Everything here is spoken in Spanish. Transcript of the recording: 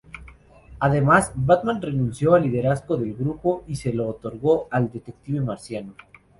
Además, Batman renunció al liderazgo del grupo y se lo otorgó al Detective Marciano.